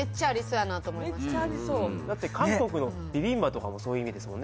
だって韓国のビビンバとかもそういう意味ですもんね